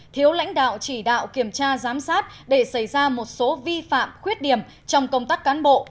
thiếu lãnh đạo chỉ đạo kiểm tra giám sát để xảy ra một số vi phạm khuyết điểm trong công tác cán bộ